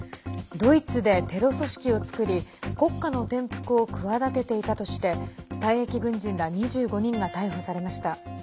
ドイツでテロ組織を作り国家の転覆を企てていたとして退役軍人ら２５人が逮捕されました。